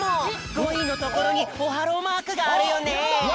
５いのところにオハローマークがあるよね！